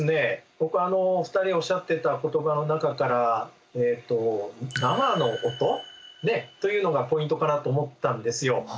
僕お二人おっしゃってた言葉の中からえっと生の音というのがポイントかなと思ったんですよ。